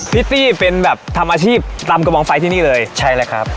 พี่ตี้เป็นแบบทำอาชีพตำกระบองไฟที่นี่เลยใช่เลยครับ